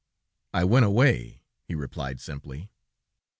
"I went away," he replied simply.